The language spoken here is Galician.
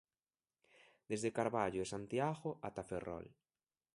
Desde Carballo e Santiago ata Ferrol.